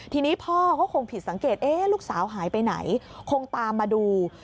ทีนี้พ่อก็คงผิดสังเกตลูกสาวหายไปไหนคงตามมาดู